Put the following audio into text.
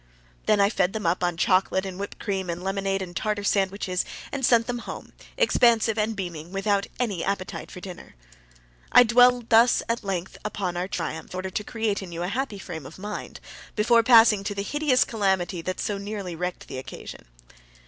Then I fed them up on chocolate and whipped cream and lemonade and tartar sandwiches, and sent them home, expansive and beaming, but without any appetite for dinner. I dwell thus at length upon our triumph, in order to create in you a happy frame of mind, before passing to the higeous calamity that so nearly wrecked the occasion.